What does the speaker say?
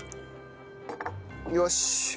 よし！